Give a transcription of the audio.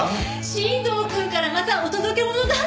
新藤くんからまたお届け物だって！